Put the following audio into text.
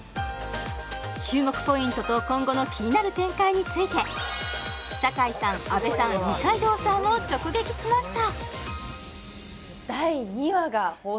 注目ポイントと今後の気になる展開について堺さん阿部さん二階堂さんを直撃しました！